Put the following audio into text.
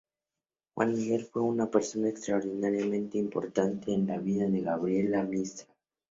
Juan Miguel fue una persona extraordinariamente importante en la vida de Gabriela Mistral.